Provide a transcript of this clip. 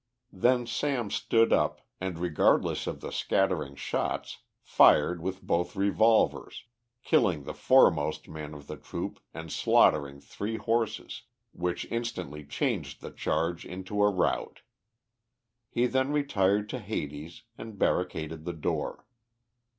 Then Sam stood up, and regardless of the scattering shots, fired with both revolvers, killing the foremost man of the troop and slaughtering three horses, which instantly changed the charge into a rout. He then retired to Hades and barricaded the door.